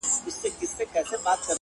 • ما په سترګو خر لیدلی پر منبر دی,